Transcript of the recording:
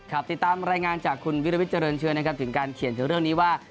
ติดตามรายงานจากคุณวิรวิทยเจริญเชื้อนะครับถึงการเขียนถึงเรื่องนี้ว่า